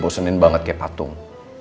bosenin banget kayak patung